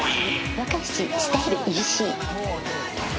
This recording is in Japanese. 若いしスタイルいいし。